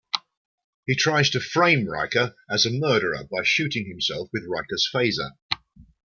He tries to frame Riker as a murderer by shooting himself with Riker's phaser.